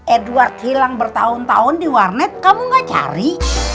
edward hilang bertahun tahun di warnet kamu gak cari